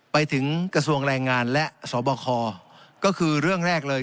ไปถึงกระทรวงแรงงานและสบคก็คือเรื่องแรกเลย